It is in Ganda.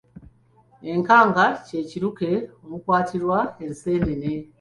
Enkanga kye kiruke omukwatirwa enseenene.